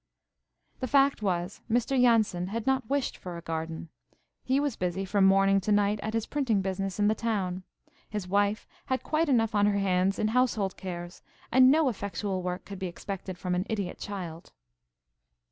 The fact was, Mr. Jansen had not wished for a garden. He was busy from morning to night at his printing business in the town; his wife had quite enough on her hands in household cares; and no effectual work could be expected from an idiot child.